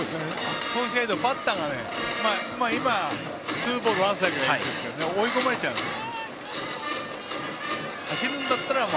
そうしないとバッターがツーボール、ワンストライクで追い込まれちゃうんです。